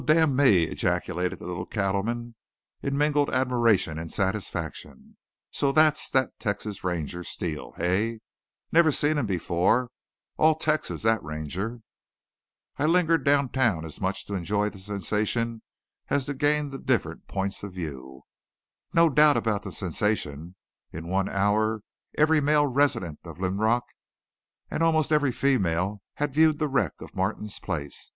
"Wal, damn me!" ejaculated the little cattleman in mingled admiration and satisfaction. "So thet's that Texas Ranger, Steele, hey? Never seen him before. All Texas, thet Ranger!" I lingered downtown as much to enjoy the sensation as to gain the different points of view. No doubt about the sensation! In one hour every male resident of Linrock and almost every female had viewed the wreck of Martin's place.